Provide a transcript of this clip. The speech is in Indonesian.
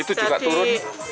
itu juga turun